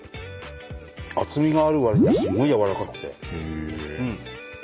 厚みがあるわりにはすごいやわらかくて。